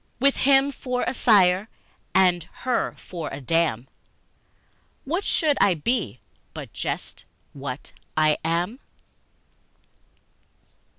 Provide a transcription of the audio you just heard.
With him for a sire and her for a dam, What should I be but just what I am?